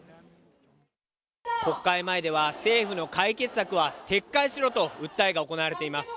国会前では政府の解決策は撤回しろと訴えが行われています。